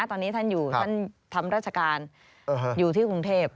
ตอนนี้ท่านอยู่ท่านทำราชการอยู่ที่กรุงเทพ